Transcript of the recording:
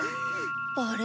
あれ？